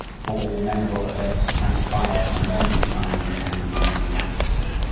for all memorable events transpire in the morning time and in the morning atmosphere."